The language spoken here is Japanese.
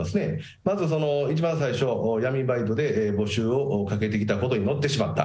まず一番最初、闇バイトで募集をかけてきたことに乗ってしまった。